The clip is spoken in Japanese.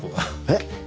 えっ？